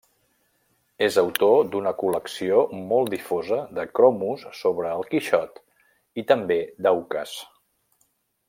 És autor d'una col·lecció molt difosa de cromos sobre el Quixot i també d'auques.